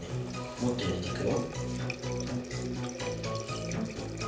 もっと入れていくよ。